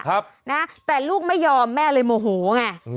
ครับนะแต่ลูกไม่ยอมแม่เลยโมโหไง